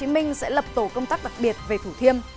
một tổ công tác đặc biệt về thủ thiêm